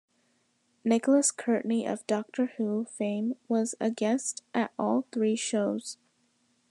Nicholas Courtney of "Doctor Who" fame was a guest at all three shows.